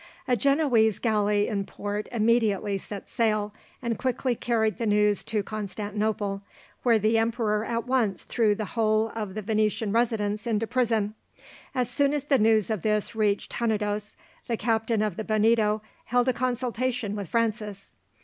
A Genoese galley in port immediately set sail, and quickly carried the news to Constantinople, where the emperor at once threw the whole of the Venetian residents into prison. As soon as the news of this reached Tenedos the captain of the Bonito held a consultation with Francis.